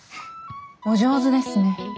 お上手ですね。